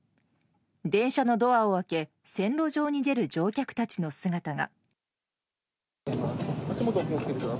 電車のドアを開け線路上に出る乗客たちの姿が。